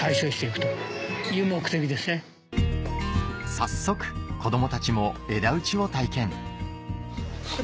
早速子どもたちも枝打ちを体験